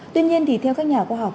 tuy nhiên thì theo các nhà khoa học